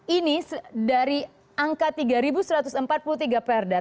ini dari angka tiga satu ratus empat puluh tiga perda